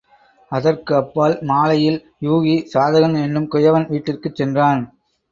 அதற்கு அப்பால் மாலையில் யூகி, சாதகன் என்னும் குயவன் வீட்டிற்குச் சென்றான்.